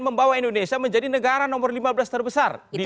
membawa indonesia menjadi negara nomor lima belas terbesar di dunia